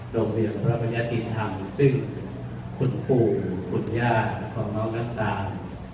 โรงเรียนพระพญาธินธรรมซึ่งคุณปู่คุณย่าของน้องน้ำตาล